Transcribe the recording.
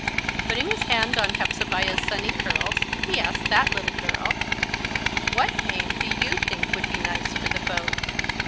Putting his hand on Hepzebiah's sunny curls, he asked that little girl: "What name do you think would be nice for the boat?"